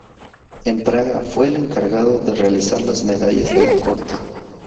En Praga fue el encargado de realizar las medallas de la corte.